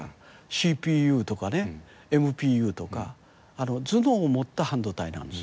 ＣＰＵとかＭＰＵとか頭脳を持った半導体なんです。